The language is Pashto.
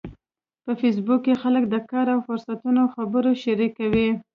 په فېسبوک کې خلک د کار او فرصتونو خبرونه شریکوي